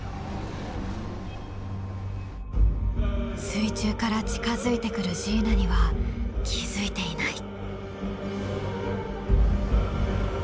水中から近づいてくるジーナには気付いていない。